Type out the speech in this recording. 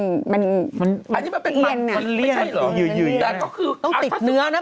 อันนี้มันเป็นมันไม่ใช่เหรอแต่ก็คือมันเปลี่ยนต้องติดเนื้อน่ะ